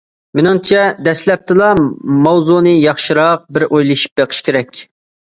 مېنىڭچە دەسلەپتىلا ماۋزۇنى ياخشىراق بىر ئويلىشىپ بېقىش كېرەك.